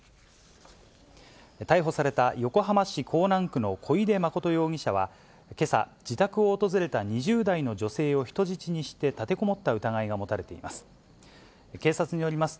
逮捕された横浜市港南区の小出充容疑者は、けさ、自宅を訪れた２０代の女性を人質にして立てこもった疑いが持たれています。